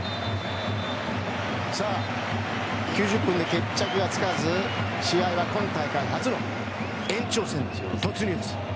９０分で決着がつかず試合は今大会初の延長戦に突入。